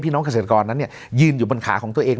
น้องเกษตรกรนั้นยืนอยู่บนขาของตัวเอง